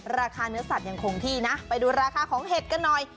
ราคาเนื้อสัตว์ยังคงที่นะไปดูราคาของเห็ดกันหน่อย